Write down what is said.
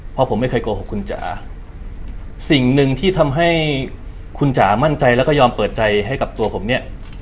เพราะผมไม่เคยโกหกคุณจ๋าสิ่งหนึ่งที่ทำให้คุณจ๋ามั่นใจแล้วก็ยอมเปิดใจให้กับตัวผมเนี่ย